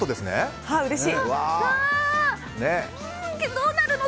どうなるの！